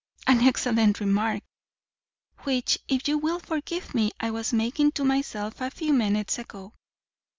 "An excellent remark! which if you will for give me I was making to myself a few minutes ago."